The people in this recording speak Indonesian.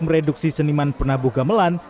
mereduksi seniman penabuh gamelan